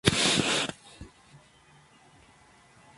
No existe ninguna otra especie que puede derramar lágrimas emotivas.